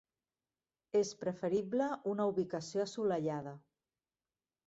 És preferible una ubicació assolellada.